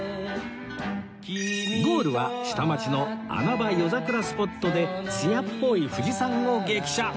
ゴールは下町の穴場夜桜スポットで艶っぽい藤さんを激写